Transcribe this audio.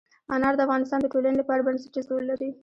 انار د افغانستان د ټولنې لپاره بنسټيز رول لري.